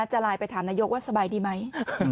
จะไลน์ไปถามนายกว่าสบายดีไหม